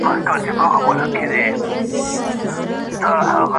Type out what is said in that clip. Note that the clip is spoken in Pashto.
کله چي ستړی سي، نو تر دغې وني لاندي خوب کوي.